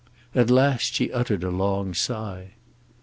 At last she uttered a long sigh.